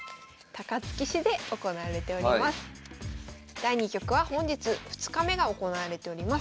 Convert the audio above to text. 第２局は本日２日目が行われております。